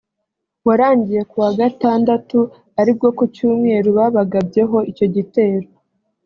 warangiye ku wa gatandatu ari bwo ku cyumweru babagabyeho icyo gitero